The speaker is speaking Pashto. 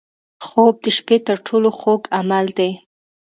خوب د شپه تر ټولو خوږ عمل دی